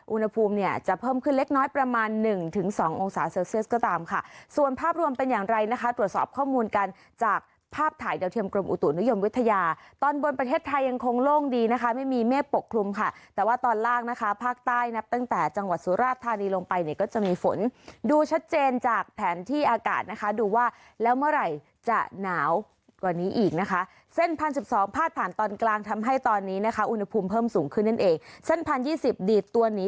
อุณหภูมิเนี่ยจะเพิ่มขึ้นเล็กน้อยประมาณหนึ่งถึงสององศาเซอร์เซียสก็ตามค่ะส่วนภาพรวมเป็นอย่างไรนะคะตรวจสอบข้อมูลกันจากภาพถ่ายเดียวเทียมกรมอุตุนุยมวิทยาตอนบนประเทศไทยยังคงโล่งดีนะคะไม่มีเมฆปกครุมค่ะแต่ว่าตอนล่างนะคะภาคใต้นับตั้งแต่จังหวัดสุราชธานีลงไปเนี่ย